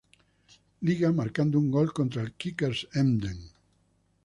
Liga, marcando un gol contra el Kickers Emden.